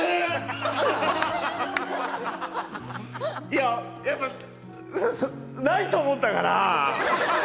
いややっぱないと思ったから。